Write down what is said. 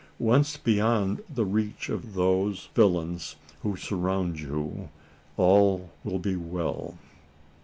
Once beyond the reach of those villains who surround you, all will be well."